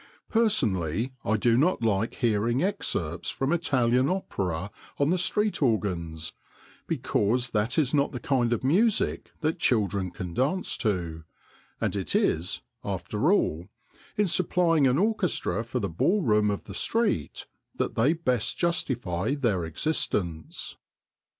Personally, I do not like hearing excerpts from Italian opera on the street organs, because that is not the kind of music that children can dance to, and it is, after all, in supplying an orchestra for the ballroom of the street that they best justify their existence.